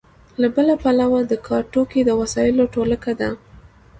له بله پلوه د کار توکي د وسایلو ټولګه ده.